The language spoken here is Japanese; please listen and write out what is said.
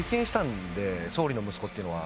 総理の息子っていうのは。